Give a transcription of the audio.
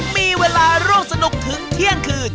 มีเวลาร่วมสนุกถึงเที่ยงคืน